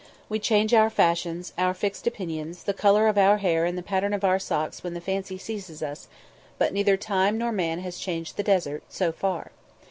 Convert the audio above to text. We change our fashions, our fixed opinions, the colour of our hair and the pattern of our socks when the fancy seizes us, but neither time nor man has changed the desert so far.